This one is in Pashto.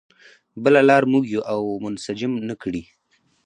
بله لار موږ یو او منسجم نه کړي.